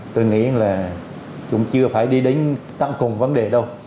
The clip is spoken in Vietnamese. tôi nghĩ là chúng chưa phải đi đến tặng cùng vấn đề đâu